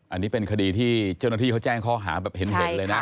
อันนี้เป็นคดีที่เจ้าหน้าที่เขาแจ้งข้อหาแบบเห็นเลยนะ